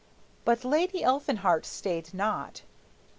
But Lady Elfinhart stayed not.